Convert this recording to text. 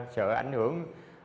sợ ảnh hưởng